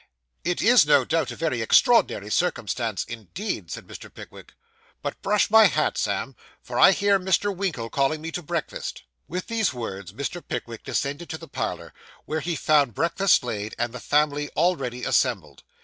'It is, no doubt, a very extraordinary circumstance indeed,' said Mr. Pickwick. 'But brush my hat, Sam, for I hear Mr. Winkle calling me to breakfast.' With these words Mr. Pickwick descended to the parlour, where he found breakfast laid, and the family already assembled.